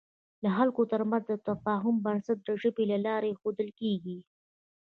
د خلکو تر منځ د تفاهم بنسټ د ژبې له لارې اېښودل کېږي.